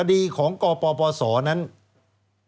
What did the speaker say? สวัสดีค่ะต้องรับคุณผู้ชมเข้าสู่ชูเวสตีศาสตร์หน้า